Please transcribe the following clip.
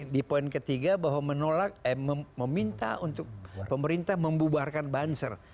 di poin ketiga bahwa menolak meminta untuk pemerintah membubarkan banser